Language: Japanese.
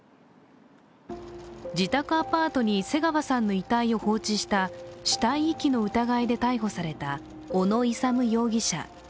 自宅アパートに瀬川さんの遺体を放置した死体遺棄の疑いで逮捕された小野勇容疑者。